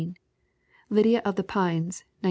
Lydia of the Pines, 1917.